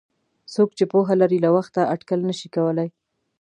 څوک چې پوهه لري له وخته اټکل نشي کولای.